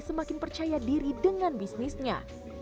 semakin percaya diri dengan bisnisnya